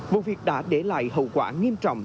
vụ việc đã để lại hậu quả nghiêm trọng